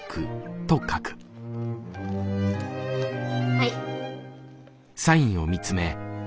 はい。